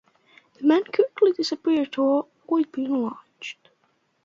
The men quickly disappeared to avoid being lynched.